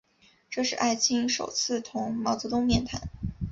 这是艾青首次同毛泽东面谈。